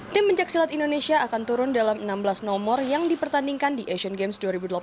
tim pencaksilat indonesia akan turun dalam enam belas nomor yang dipertandingkan di asian games